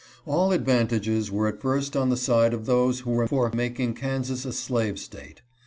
All advantages were at first on the side of those who were for making Kansas a slave State.